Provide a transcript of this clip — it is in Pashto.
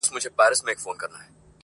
• له دې سببه دی چي شپه ستایمه..